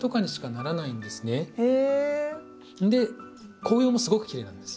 で紅葉もすごくきれいなんです。